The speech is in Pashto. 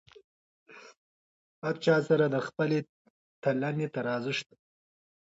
هر چا سره د خپلې تلنې ترازو شته.